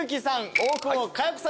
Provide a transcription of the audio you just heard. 大久保佳代子さんです。